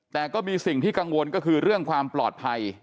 แต่ก็มีสิ่งที่กังวลก็คือเรื่องความปลอดภัย